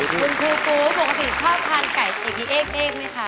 คุณครูปกติชอบทานไก่ตีเอกไหมคะ